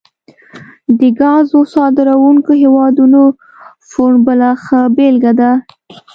د ګازو صادرونکو هیوادونو فورم بله ښه بیلګه ده